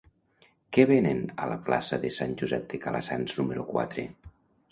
Què venen a la plaça de Sant Josep de Calassanç número quatre?